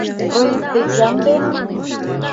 Проектет ямде?